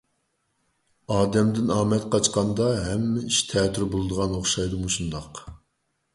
ئادەمدىن ئامەت قاچقاندا، ھەممە ئىش تەتۈر بولىدىغان ئوخشايدۇ مۇشۇنداق!